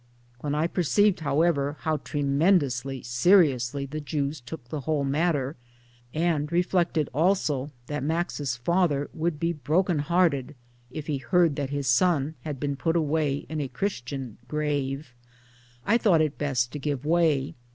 tWhen I perceived however how tremendously seriously the Jews took the whole matter, and re flected also that Max's father would be broken hearted if he heard that his son had been put in a Christian grave, I thought it best to give way.